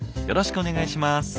よろしくお願いします。